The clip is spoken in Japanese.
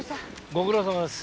ご苦労さまです。